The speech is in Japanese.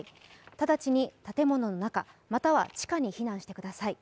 直ちに建物の中、または地下に避難してください。